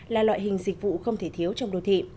là loại hình dịch vụ không thể thiếu trong đô thị